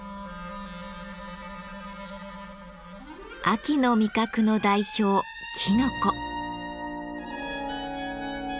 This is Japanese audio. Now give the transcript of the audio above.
秋の味覚の代表きのこ。